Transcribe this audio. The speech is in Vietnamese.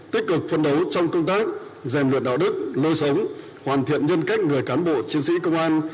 tích cực phân đấu trong công tác rèn luyện đạo đức lối sống hoàn thiện nhân cách người cán bộ chiến sĩ công an